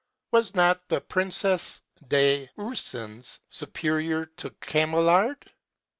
Was not the Princesse des Ursins superior to Chamillard?